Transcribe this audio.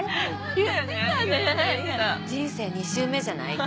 人生２周目じゃない？って。